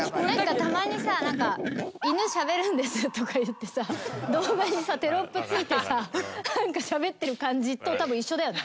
たまにさ何か犬しゃべるんですとか言ってさ動画にさテロップ付いてさしゃべってる感じとたぶん一緒だよね。